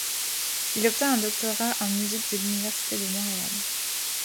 Il obtint un Doctorat en musique de l'Université de Montréal.